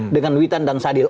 dengan witan dan sadir